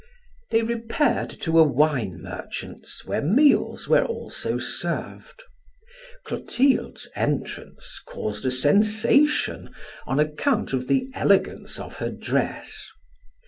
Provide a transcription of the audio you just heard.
They repaired to a wine merchant's where meals were also served. Clotilde's entrance caused a sensation on account of the elegance of her dress.